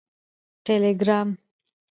ټیلیګرام